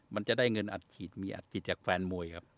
มันจะได้เงินอัดขีดมีอัดขีดจากแฟนมวยครับ